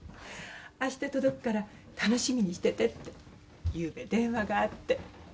「あした届くから楽しみにしてて」ってゆうべ電話があって。